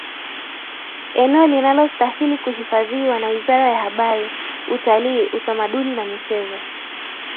Eneo linalostahili kuhifadhiwa na Wizara ya Habari Utalii utamaduni na Michezo